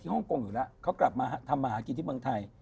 ฮ่องกงอยู่แล้วเขากลับมาทำมาหากินที่เมืองไทย